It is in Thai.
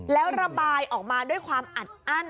แล้วระบายออกมาด้วยความอัดอั้น